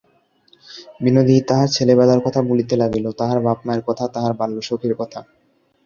বিনোদিনী তাহার ছেলেবেলাকার কথা বলিতে লাগিল, তাহার বাপমায়ের কথা, তাহার বাল্যসখির কথা।